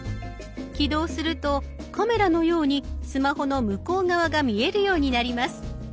起動するとカメラのようにスマホの向こう側が見えるようになります。